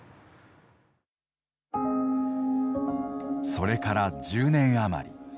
それから１０年余り。